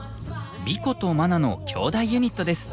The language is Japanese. ビコとマナのきょうだいユニットです。